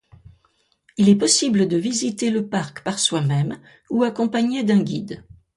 Il est possible de visiter le parc par soi-même ou accompagné d'un guide.